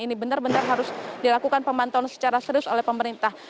ini benar benar harus dilakukan pemantauan secara serius oleh pemerintah